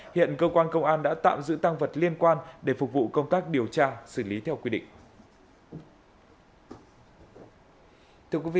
hiện cơ quan công an đã tạm giữ tăng vật liên quan để phục vụ công tác điều tra xử lý theo quy định